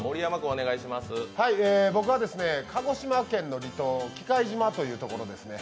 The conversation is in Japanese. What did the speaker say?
僕は鹿児島県の離島喜界島というところですね。